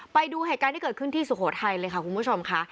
ไปดูเหตุการณ์ที่เกิดขึ้นที่สุโขทัยเลยค่ะคุณผู้ชมค่ะ